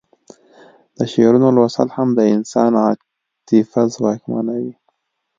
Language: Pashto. د شعرونو لوستل هم د انسان عاطفه ځواکمنوي